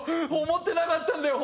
思ってなかったんだよ。